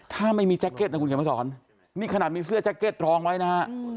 ถ้าไม่มีแจ็คเก็ตนะคุณเขียนมาสอนนี่ขนาดมีเสื้อแจ็คเก็ตรองไว้นะฮะ